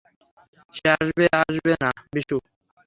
সে আসবে, আসবে না, বিশু?